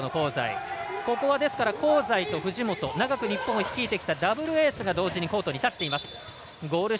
ここは香西と藤本長く日本を率いてきたダブルエースが同時にコートに立っています。